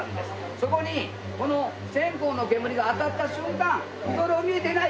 そこにこの線香の煙が当たった瞬間日頃見えてない